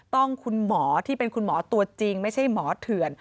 ต้องคุณหมอที่เป็นคุณหมอตัวจริงไม่ใช่หมอเถื่อน